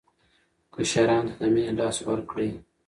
کشرانو ته د مینې لاس ورکړئ.